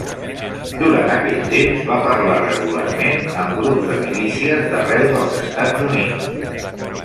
Durant aquell temps va parlar regularment amb grups de milícies d'arreu dels Estats Units.